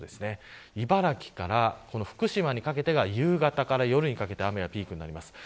茨城から福島にかけてが夕方から夜にかけて雨がピークになります。